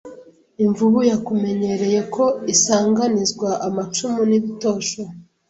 Imvubu yakumenyereye ko isanganizwa amacumu n'ibitosho